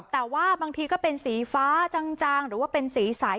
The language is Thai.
แต่ว่าบางทีก็เป็นสีฟ้าจางหรือว่าเป็นสีใส